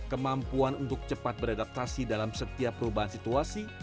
kemampuan untuk cepat beradaptasi dalam setiap perubahan situasi